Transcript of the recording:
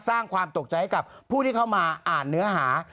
สร้างความตกใจให้กับผู้ที่เข้ามาอ่านเนื้อหา